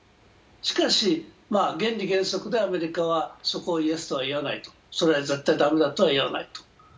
しかし、原理原則でアメリカはそこはイエスとは言わない、それは絶対駄目だとは言わないと。